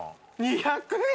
２００円！？